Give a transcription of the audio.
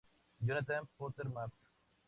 Jonathan Potter Maps